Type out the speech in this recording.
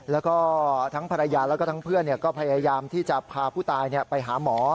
แล้วก็ทั้งภรรยาแล้วก็ทั้งเพื่อนก็พยายามที่จะพาผู้ตายไปหาหมอ